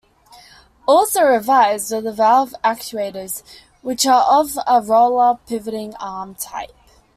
Also revised were the valve actuators which are of a roller pivoting arm type.